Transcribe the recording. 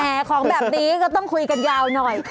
แหมเครื่องของแบบนี้ก็ต้องคุยกันยาวหน่อย